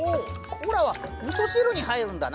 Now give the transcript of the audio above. オラはみそ汁に入るんだな！